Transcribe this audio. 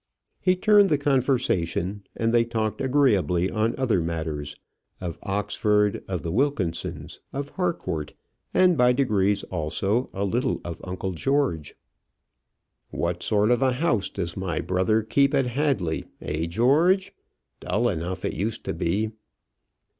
He turned the conversation, and they talked agreeably on other matters of Oxford, of the Wilkinsons, of Harcourt, and by degrees also a little of uncle George. "What sort of a house does my brother keep at Hadley eh, George? Dull enough it used to be."